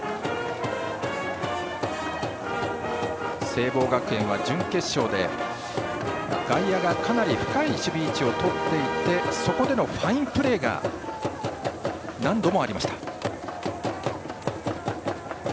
聖望学園は準決勝で外野がかなり深い守備位置をとっていてそこでのファインプレーが何度もありました。